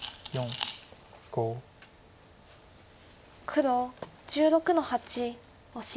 黒１６の八オシ。